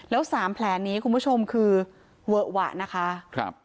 แล้วสามแผลนี้คุณผู้ชมคือเวอะหวะนะคะครับ